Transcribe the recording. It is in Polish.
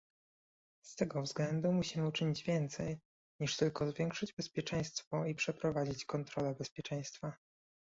Z tego względu musimy uczynić więcej, niż tylko zwiększyć bezpieczeństwo i przeprowadzić kontrole bezpieczeństwa